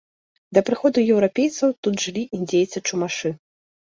Да прыходу еўрапейцаў тут жылі індзейцы-чумашы.